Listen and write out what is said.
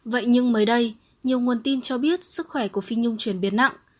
vậy nhưng mới đây nhiều nguồn tin cho biết sức khỏe của phi nhung chuyển biến nặng